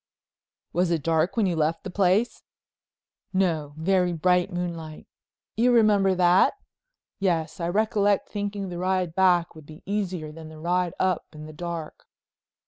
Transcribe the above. "Was it dark when you left the place?" "No—very bright moonlight." "You remember that?" "Yes. I recollect thinking the ride back would be easier than the ride up in the dark."